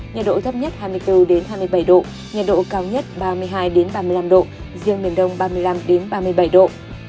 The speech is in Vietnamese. nhiệt độ thấp nhất hai mươi bốn hai mươi bảy độ nhiệt độ cao nhất ba mươi hai ba mươi năm độ riêng miền đông ba mươi năm ba mươi bảy độ